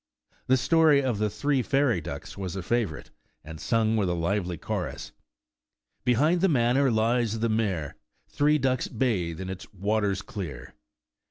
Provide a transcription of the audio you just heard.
The story of the "Three Fairy Ducks" was a favorite, and sung with a lively chorus: ''Behind the manor lies the mere, Three ducks bathe in its waters clear.